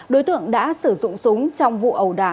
đối tượng đã sử dụng súng trong vụ ẩu đả